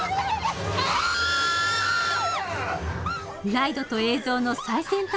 ライドと映像の最先端